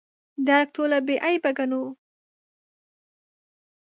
درک ټوله بې عیبه ګڼو.